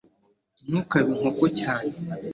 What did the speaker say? ntukabe inkoko cyane